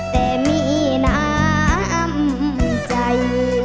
แต่มีน้ำใจ